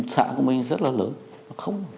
xã của mình rất là lớn